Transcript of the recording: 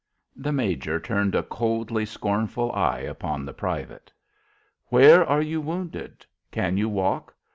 The major turned a coldly scornful eye upon the private. "Where are you wounded? Can you walk?